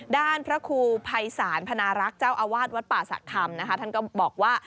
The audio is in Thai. ด้านพระครูภัยศาลพนารักษ์เจ้าอาวาสวัดป่าสะคำนะคะท่านก็บอกว่า